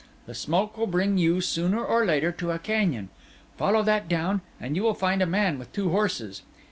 The smoke will bring you, sooner or later, to a canyon; follow that down, and you will find a man with two horses.